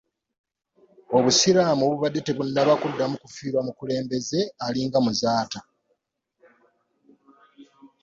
Obusiraamu bubadde tebunnaba kuddamu kufiirwa mukulembeze alinga Muzaata.